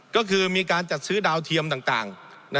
ก็คือมีการจัดซื้อดาวเทียมต่าง